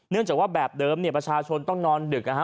เนื่องจากว่าแบบเดิมประชาชนต้องนอนดึก